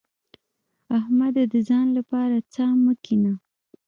احمده! د ځان لپاره څا مه کينه.